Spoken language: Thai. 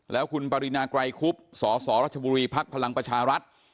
แล้วคุณปรินาไกรคุบสสรัชบุรีภักดิ์พลังประชารัฐ